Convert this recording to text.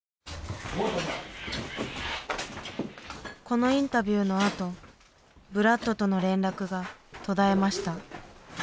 このインタビューのあとブラッドとの連絡が途絶えました。